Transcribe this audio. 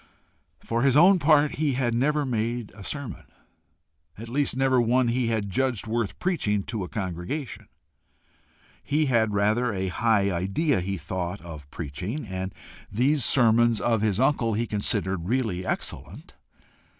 For his own part he had never made a sermon, at least never one he had judged worth preaching to a congregation. He had rather a high idea, he thought, of preaching, and these sermons of his uncle he considered really excellent.